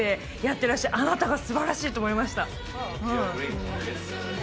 てらっしゃるあなたがすばらしいと思いました